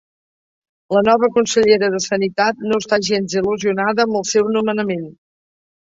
La nova consellera de Sanitat no està gens il·lusionada amb el seu nomenament